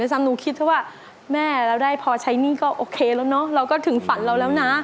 ไม่สักหนูคิดว่าแม่เราได้พอใช้นี่ก็โอเคแล้วนะคะเราก็ถึงฝันเราแล้วนะ